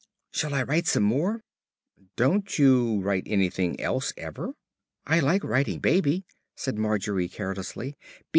"Shall I write some more?" "Don't you write anything else ever?" "I like writing 'baby,'" said Margery carelessly.